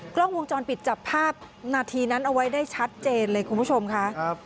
กล้องวงจรปิดจับภาพนาทีนั้นเอาไว้ได้ชัดเจนเลยคุณผู้ชมค่ะ